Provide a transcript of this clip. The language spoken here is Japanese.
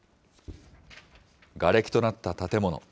がれきとなった建物。